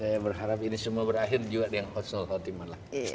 saya berharap ini semua berakhir juga dengan khusus khusus